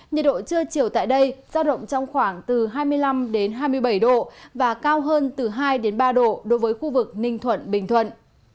nhiệt độ trưa chiều tại đây giao động trong khoảng từ hai mươi năm hai mươi bảy độ và cao hơn từ hai ba độ đối với khu vực ninh thuận bình thuận